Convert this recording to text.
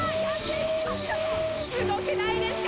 すごくないですか？